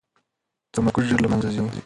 تمرکز ژر له منځه ځي.